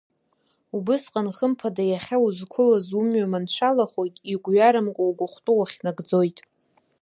Убысҟан, хымԥада, иахьа узқәылаз умҩа маншәалахоит, игәҩарамкәа угәыхәтәы уахьнагӡоит.